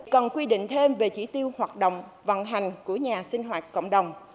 cần quy định thêm về chỉ tiêu hoạt động vận hành của nhà sinh hoạt cộng đồng